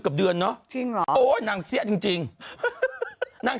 หนึ่งกับเดือนเนอะนางเสี้ยจริง